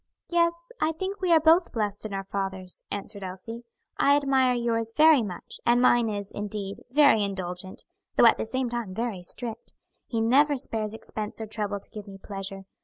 "Yes, I think we are both blessed in our fathers," answered Elsie. "I admire yours very much; and mine is, indeed, very indulgent, though at the same time very strict; he never spares expense or trouble to give me pleasure.